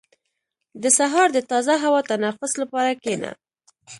• د سهار د تازه هوا تنفس لپاره کښېنه.